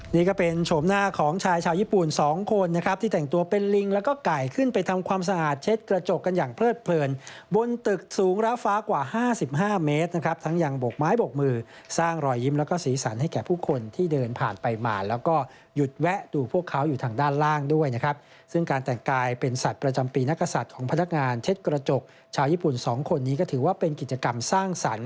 นี่ก็เป็นโฉมหน้าของชายชาวญี่ปุ่นสองคนนะครับที่แต่งตัวเป็นลิงแล้วก็ไก่ขึ้นไปทำความสะอาดเช็ดกระจกกันอย่างเพลิดเพลินบนตึกสูงระฟ้ากว่าห้าสิบห้าเมตรนะครับทั้งอย่างบกไม้บกมือสร้างรอยยิ้มแล้วก็สีสันให้แก่ผู้คนที่เดินผ่านไปมาแล้วก็หยุดแวะดูพวกเขาอยู่ทางด้านล่างด้วยนะครับซึ่งการแต่งกายเป็น